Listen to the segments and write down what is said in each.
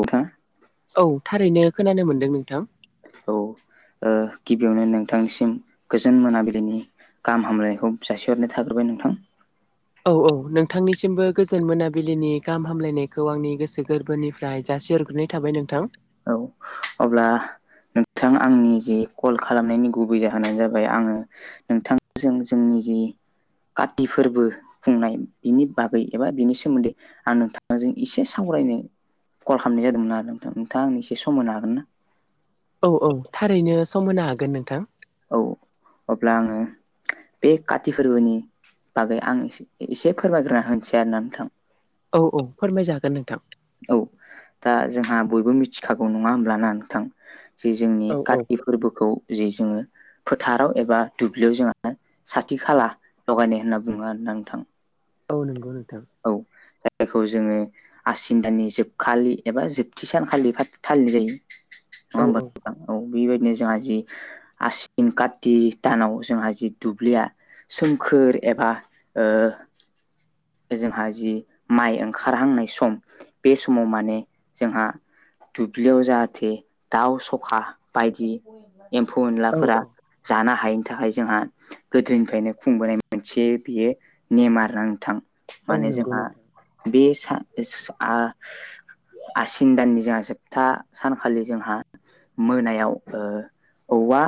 औ थां औ थारैनो खोनानो मोनदों नोंथां। औ ओ गिबियावनो नोंथांनिसिम गोजोन मोनाबिलिनि गाहाम हामलनायखौ जासिहरनाय थाग्रोबाय नोंथां, औ औ नोंथांनिसिमबो गोजोन मोनाबिलिनि गाहाम हामलायनायखौ आंनि गोसो गोरबोनिफ्राय फ्राय जासि हरग्रोनाय थाबाय नोंथां औ अब्ला नोंथां आंनि जि कल खालामनायनि गुबै जाहोनानो जाबाय आङो नोंथांजों जोंनि जि काति फोरबो खुंनाय बिनि बागै एबा बिनि सोमोन्दै आं नोंथांजों इसे सावरायनो कल खालामनाय जादोंमोन आरो नोंथां नोंथाङा आंनो एसे सम मोनो हागोन ना? औ औ थारैनो सम होनो हागोन नोंथां। औ अब्ला आङो बे काति फोरबोनि बागै आं इस इसे फोरमायग्रोना होनोसै आरोना नोंथां औ औ फोरमायजागोन नोंथां औ दा जोंहा बयबो मिथिखागौ नङा होमब्लाना नोंथां जे जोंनि औ औ काति फोरबोखौ जे जोङो फोथाराव एबा दुब्लियाव जोंहा साथि खाला लगायनाय होनना बुङो आरोना नोंथां औ नोंगौ नोंथां औ जायखौ जोङो आसिन दानानि जोबखालि एबा जोबथि सानखालि फालि थालि नाय जायो नङा औ होमबा औ औ बिबायदिनो जोंहा जि आसिन कार्ति दानाव जोंहा जि दुब्लिया सोमखोर एबा ओ जोंहा जि माइ ओंखारहांनाय सम बे समाव माने जोंहा दुब्लियाव जाहाथे दाउ सखा बायदि एम्फौ औ एनलाफोरा जानो हायैनि थाखाय जोंहा गोदोनिफ्रायनो खुंबोनाय मोनसे बियो नेम आरो नोंथां औ माने नंगौ जोंहा नोंथां बे सा सो आ आसिन दाननि जाहा जोबथा सानखालि जोंहा मोनायाव ओ औवा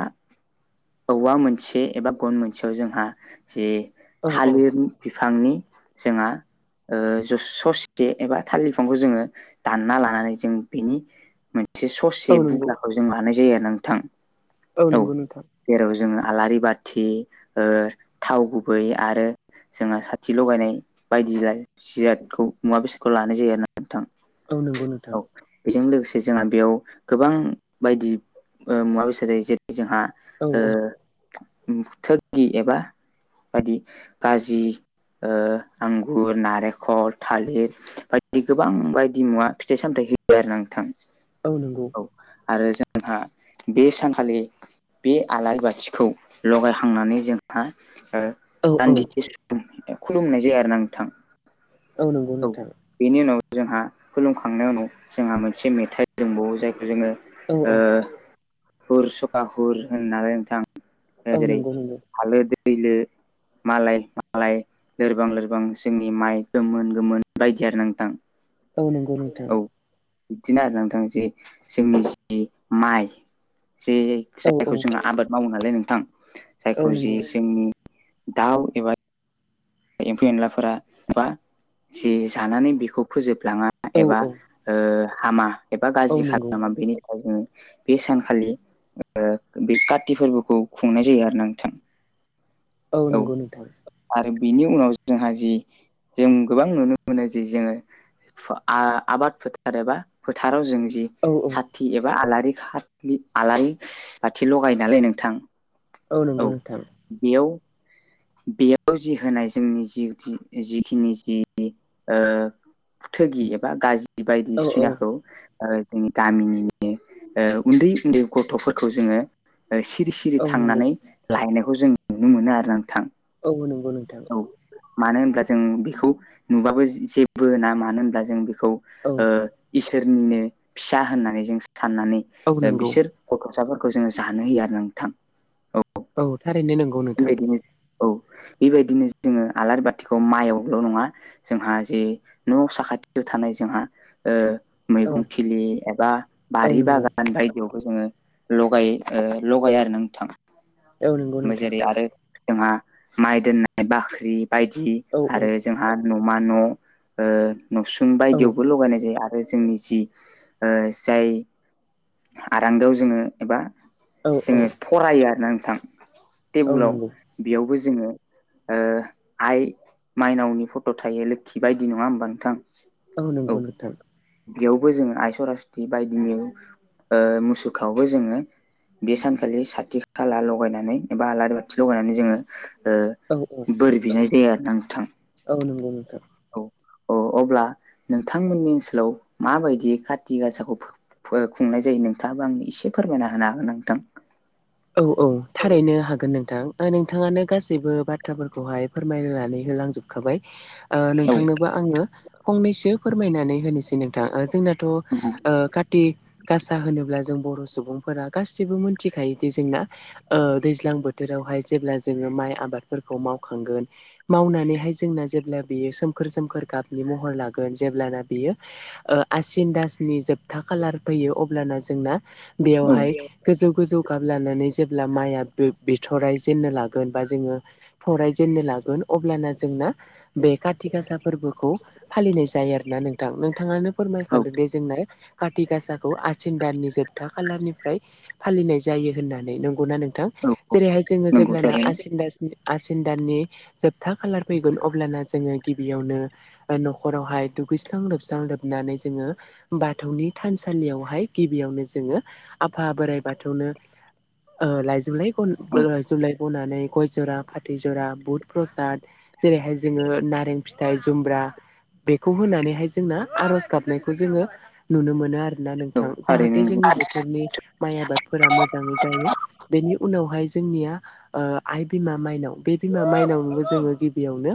औवा मोनसे एबा गन मोनसेयाव जोंहा जे औ औ थालिर बिफांनि जोंहा ओ जुस ससे एबा थालिर बिफांखौ जोङो दानना लानानै जों बिनि थे औ ससे नंगौ बुग्लाखौ जों लानाय जायो आरो ना नोंथां औ नोंगौ नोंथां जेराव जोङो आलारि बाथि ओ थाव गुबै आरो जोंहा साथि लगायनाय बायदि लाय जिरादखौ मुवा बेसादखौ लानाय जायो आरो ना नोंथां औ नंगौ नोंथां औ बेजों लोगोसे जोंहा बेयाव गोबां बायदि ओ मुवा बेसाद जायो जेरै जोंहा औ ओ औ उम थोगि एबा बायदि गाजि ओ आंगुर, नारेखल, थालिर बायदि गोबां बायदि मुवा फिथाइ सामथाइ होयो आरो ना नोंथां औ नोंगौ औ आरो जोंहा बे सानखालि बे आलारि बाथिखौ लगायखांनानै जोंहा ओ औ औ दान्दिसे स बु औ खुलुमनाय जायो आरो ना नोंथां औ नोंगौ नोंथां बिनि उनाव जोंहा खुलुमखांनायनि उनाव जोंहा मोनसे मेथाइ दोंबावो जायखौ जोङो औ ओ औ हुर सका हुर होननानै नोंथां औ ओ जेरै नंगौ नंगौ हालो दैलो मालाय मालाय लोरबां लोरबां जोंनि माइ गोमोन मोन बायदि आरो नोंथां औ नंगौ नोंथां औ बिदिनो आरो नोंथां जे जोंनि जि माइ जे औ औ जायखौ जोङो आबाद मावो नालाय नोंथां औ जायखौ जि नंगौ जोंनि दाउ एबा एम्फौ एनलाफोरा बा जि जानानै बिखौ फोजोबलाङा औ एबा औ ओ हामा एबा औ गाज्रि नंगौ खालामा [unintelligible] बेनि दा जोङो बे सानखालि ओ बे काति फोरबोखौ खुंनाय जायो आरो ना नोंथां। औ नंगौ नोंथां। आरो बिनि उनाव जोंहा जि जों गोबां नुनो मोनो जि जोङो आबाद फोथार एबा फोथाराव जों जि औ औ खाथि एबा आलारि खा आलारि बाथि लगायो नालाय नोंथां औ नंगौ नोंथां। बेयाव बेयाव जि होनाय जोंनि जि जिखिनि जि ओ थोगि एबा गाजि औ औ बायदिसिनाखौ ओ जोंनि गामिनि ओ उन्दै उन्दै गथ'फोरखौ जोङो ओ सिरि सि रि औ नंगौ थांनानै लाहायनायखौ जों नुनो मोनो आरोना नोंथां। औ नंगौ नोंथां औ मानो होनब्ला जों बेखौ नुबाबो जेबो होना मानो होनब्ला जों बेखौ औ ओ इसोरनिनो फिसा होननानै जों साननानै औ ओ नंगौ बिसोर गथ'साफोरखौ जोङो जानो होयो आरो नोंथां औ थारैनो नंगौ नोंथां बेबायदिनो औ बेबायदिनो जोङो आलारि बाथिखौ माइआवल' नङा जोंहा जे न' साखाथियाव थानाय जोंहा औ मैगं थिलि एबा औ बारि नंगौ बागान बायदियाव जोङो लगाय लगायो आरोना नोंथां। औ नंगौ नोंथां जेरै आरो जोंहा माइ दोननाय बाख्रि बायदि औ औ आरो जोंहा न'मा न' ओ नुसुं औ बायदियावबो लगायनाय जायो आरो जोंनि जि ओ जाय आरांगायाव जोङो एबा औ औ जोङो फरायो आरोना नोंथां औ टेबुलाव नंगौ बेयावबो जोङो ओ आइ माइनावनि फट' थायो लोक्षि बायदि नङा ओमबा नोंथां औ नंगौ नोंथां। बेयावबो जोङो आइ सरस्वती बायदिनि मुसुखायावबो जोङो बे सानखालि साथि खाला लगायनानै एबा आलारि बाथि लगायनानै जोङो ओ औ औ बोर बिनाय जायो आरोना नोंथां औ नंगौ नोंथां औ औ अब्ला नोंथांमोननि ओनसोलाव माबायदि खाथि गासाखौ फा फो खुंनाय जायो नोंथाङाबो आंनो एसे फोरमायना होनो हागोन नोंथां औ औ थारैनो हागोन नोंथां। दा नोंथाङानो गासैबो बाथ्राफोरखौहाय फोरमायनानै होलांजोबखाबाय नोंथांनोबो आङो फंनैसो फोरमायनानै होनोसै नोंथां जोंनाथ' ओ काति गासा होनोब्ला जों बर' सुबुंफोरा गासिबो मोनथिखायो। बिदि जोंना ओ दैज्लां बोथोरावहाय जेब्ला जोङो माइ आबादफोरखौ मावखांगोन मावनानैहाय जोंना जेब्ला बियो सोमखोर सोमखोर गाबनि महर लागोन जेब्लाना बियो ओ आसिन दासनि जोबथा खालार फैयो अब्लाना जोंना नोंथां बेयावहाय गोजौ गोजौ गाब लानानै जेब्ला माइया बिथ'राइ जेननो लागोन बा जोङो थराइ जेननो लागोन अब्लाना जोंना बे काथि गासा फोरबोखौ फालिनाय जायो आरोना नोंथां नोंथाङानो फोरमायखांदों दि जोंना काति गासाखौ आसिन दाननि जोबथा खालारनिफ्राय फालिनाय जायो होननानै नंगौना नोंथां औ औ औ जेरैहाय जोङो नंगौ जेब्लाना थारैनो आसिन दासनि आसिन दाननि जोबथा खालार फैगोन अब्लाना जोङो गिबियावनो ओ नखरावहाय दुगैस्रां लोबस्रां लोबनानै जोङो बाथौनि थानसालियावहाय गिबियावनो जोङो आफा बोराइ बाथौनो ओ लायजौ लाय औ [inaudible] लायजौ लाय बनानै गय जरा फाथै जरा बुद प्रसाद जेरैहाय जोङो नारें फिथाइ जुमब्रा बेखौ होनानैहाय जोंना आरज गाबनायखौ जोङो नुनो मोनो आरो ना औ नोंथां जाहाथे थारैनो नंगौ जोंनि बोथोरनि माइ आबादफोरा मोजाङै जायो। बेनि उनावहाय जोंनिया ओ आइ बिमा माइनाव बे बिमा माइनावबो जोङो गिबियावनो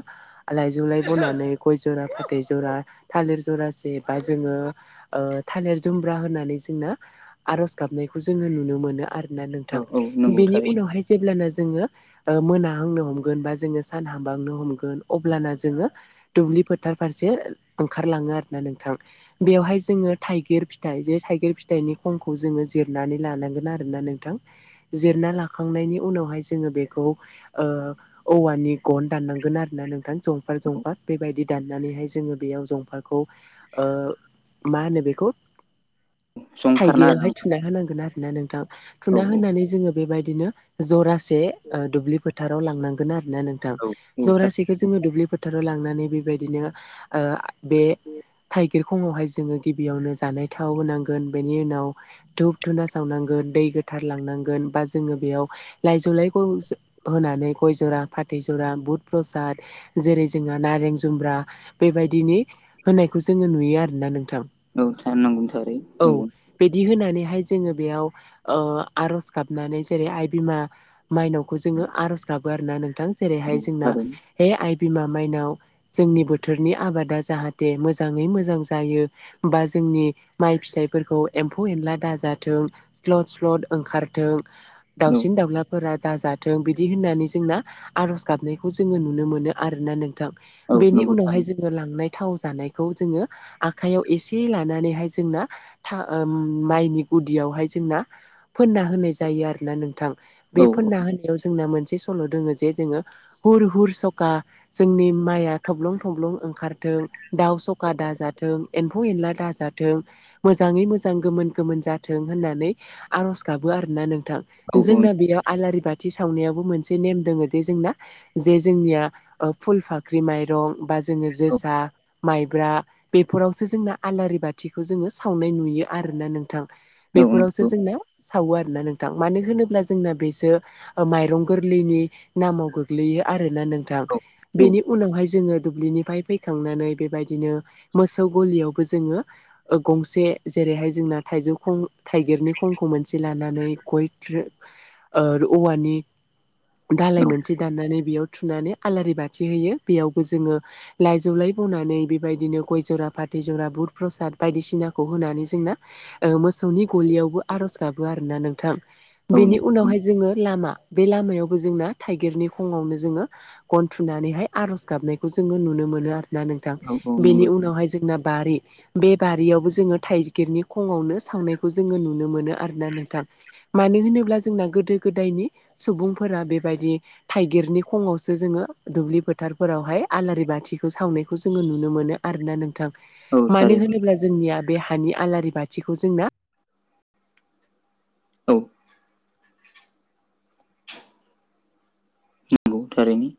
लाइ जौलाय बनानै गय जरा फाथै जरा थालिर जरासे बा जोङो ओ थालिर जुमब्रा होनानै जोंना आर'ज गाबनायखौ जोङो नुनो मोनो ना नोंथां औ औ नंगौ बेनि थारैनो उनावहाय जेब्लाना जोङो। ओ मोनाहांनो हमगोन बा जोङो सान हांबहांनो हमगोन अब्लाना जोङो दुब्लि फोथार फारसे ओंखारलाङो आरोना नोंथां। बेवहाय जोङो थाइगिर फिथाइ जे थाइगिर फिथाइनि खंखौ जोङो जिरनानै लानांगोन आरो ना नोंथां जिरना लाखांनायनि उनावहाय जोङो बेखौ ओ औवानि गन दाननांगोन आरोना नोंथां जंफार औ जंफार बेबायदि दाननानैहाय जोङो बेयाव जंफारखौ ओ मा होनो बेखौ संफारना आरो थाइगिरावहाय आं थुना होनांगोन आरो ना नोंथां थुना औ होनानै जोङो बेबायदिनो जरासे ओ दुब्लि फोथाराव लांनांगोन आरो ना नोंथां औ औ थार जरासेखौ जोङो दुब्लि फोथाराव लांनानै बेबायदिनो ओ बे थाइ गिर खंआवहाय जोङो गिबियावनो जानाय थाव होनांगोन बेनि उनाव धुप धुना सावनांगोन। दै गोथार लांनांगोन बा जोङो बेयाव लाइजौलायखौ जों होनानै गय जरा फाथै जरा बुध प्रसाद जेरै जोंहा नारें जुम्ब्रा बेबायदिनि होनायखौ जोङो नुयो आरोना नोंथां। औ था नंगौ थारै औ नंगौ। बिदि होनानैहाय जोङो बेयाव ओ आर'ज गाबनानै जेरै आइ बिमा माइनावखौ जोङो आर'ज गाबो आरोना नोंथां जेरैहाय औ जोंना थारैनो हे आइ बिमा माइनाव जोंनि बोथोरनि आबादा जाहाथे मोजाङै मोजां जायो बा जोंनि माइ फिथाइफोरखौ एम्फौ एनला दाजाथों। स्लद स्लद ओंखारथों दाउसिन दाउला फोरा दाजाथों बिदि होननानै जोंना आर'ज गाबनायखौ जोङो नुनो मोनो आरोना नों थां औ बेनि नंगौ उनावहाय थारैनो जों लांनाय थाव जानायखौ जोङो आखाइयाव एसे लानानैहाय जोंना था ओम माइनि गुदियावहाय जोंना फोनना होनाय जायो आरोना नोंथां औ बे फोनना होना याव जोंना मोनसे सल' दोङो जे जोङो हुर हुर सखा जोंनि माइआ थब्लं थब्लं ओंखारथों दाउ सखा दाजाथों एम म्फौ एनला दाजाथों मोजाङै मोजां गोमोन गोमोन जाथों होननानै आर'ज गाबो आरोना नोंथां औ औ जोंना बेयाव आलारि बाथि सावनायावबो मोनसे नेम दोङो जे जोंना जे जोंनिया ओ फुल फाख्रि माइरं बा जोङो जोसा माइब्रा बेफोरावसो जोंना आलारि बाथिखौ जोङो सावनाय नुयो आरोना नोंथां। बेफोरावसो नंगौ औ जोंना सावो आरोना नोंथां मानो होनोब्ला जोंना बेसो ओ माइरं गोरलैनि नामाव गोग्लैयो आरोना नों थां औ औ नंगौ बेनि उनावहाय जोङो दुब्लिनि फ्राय फैखांनानै बेबायदिनो मोसौ गलियावबो जोङो ओ गंसे जेरैहाय जोंना थाइजौ खं थाइगिरनि खंखौ मोनसे लानानै [unintelligible] ओ औवानि दालाय मोनसे दाननानै बेयाव थुनानै आलारि बाथि होयो बेयावबो जोङो लाइजौ लाय बनानै बेबायदिनो गय जरा फाथै जरा बुद प्रसाद बायदिसिनाखौ होनानै जोंना ओ मोसौनि गलियावबो आर'ज गाबो आरोना नोंथां बेनि उनावहाय औ जोङो लामा बे लामायावबो जोंना थाइगिरनि खङावनो जोङो गनथुनानैहाय आ'ज गाबनायखौ जोङो नुनो मोनो आरो ना नोंथां औ बेनि नंगौ उनावहाय जोंना बारि बे बारियावबो जोङो थाइगिरनि खङावनो सावनायखौ जोङो नुनो मोनो आरोना नोंथां मानो होनोब्ला जोंना गोदो गोदायनि सुबुंफोरा बेबायदि थाइगिरनि खङावसो जोङो दुब्लि फोथारफोरावहाय आलारि बाथिखौ सावनायखौ जोङो नुनो मोनो आरोना नोंथां औ थारैनो मानो होनोब्ला जोंनिया बे हानि आलारि बाथिखौ जोंना औ नोंगौ थारैनो